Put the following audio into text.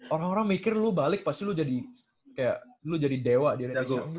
orang orang mikir lu balik pasti lu jadi dewa di indonesia